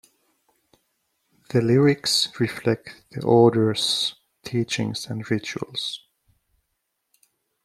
The lyrics reflect the Order's teachings and rituals.